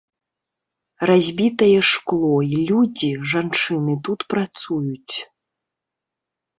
Разбітае шкло, і людзі, жанчыны тут працуюць.